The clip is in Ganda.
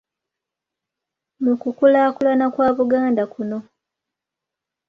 Mu kukulaakulana kwa Buganda kuno.